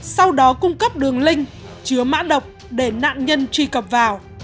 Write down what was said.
sau đó cung cấp đường linh chứa mãn độc để nạn nhân truy cập vào